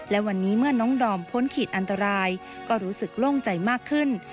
และวันนี้เมื่อน้องดอมพ้นขีดอันตรายก็รู้สึกโล่งใจมากขึ้น